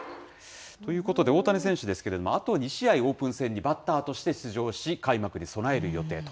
ということで、大谷選手ですけれども、あと２試合、オープン戦にバッターとして出場し、開幕に備える予定と。